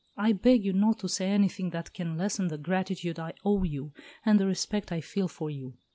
I beg you not to say anything that can lessen the gratitude I owe you, and the respect I feel for you."